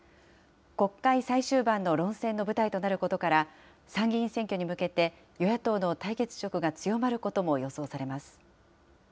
国会最終盤の論戦の舞台となることから、参議院選挙に向けて、与野党の対決色が強まることも予想されます。